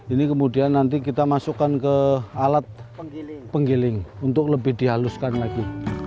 ini kemudian nanti kita masukkan ke alat penggiling untuk lebih dihaluskan lagi